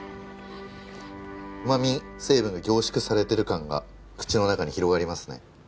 うまみ成分が凝縮されてる感が口の中に広がりますね。